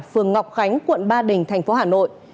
phường ngọc khánh quận ba đình thành phố hà nội